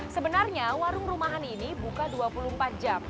sebenarnya warung rumahan ini buka dua puluh empat jam